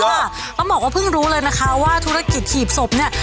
ต้องบอกว่าเพิ่งรู้เลยนะคะว่าธุรกิจหีบศพเนี่ย